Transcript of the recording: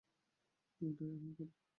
এটাই তো আমার কথা।